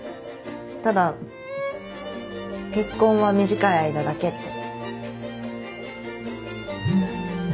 ただ結婚は短い間だけって。